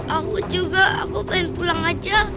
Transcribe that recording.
aku juga aku pengen pulang aja